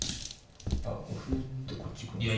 こう歩打ってこっち行くんですか。